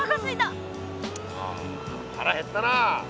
ああ腹減ったな。